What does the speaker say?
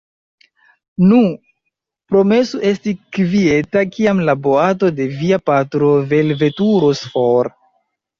Nu, promesu esti kvieta, kiam la boato de via patro velveturos for.